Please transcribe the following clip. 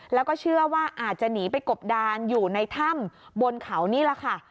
แล้วก็เชื่อว่าอาจจะหนีไปกบดานอยู่ในถ้ำบนเขานี่แหละค่ะ